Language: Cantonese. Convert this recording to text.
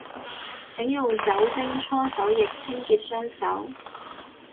請用酒精搓手液清潔雙手